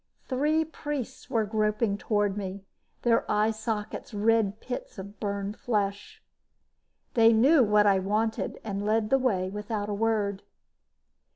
Three priests were groping toward me, their eye sockets red pits of burned flesh. They knew what I wanted and led the way without a word.